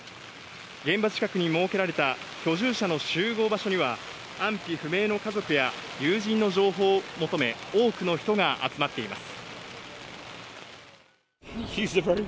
現場近くに設けられた居住者の集合場所には、安否不明の家族や友人の情報を求め多くの人が集まっています。